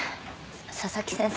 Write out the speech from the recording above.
佐々木先生